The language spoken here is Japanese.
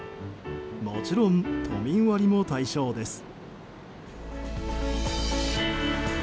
もちろん都民割も対象です。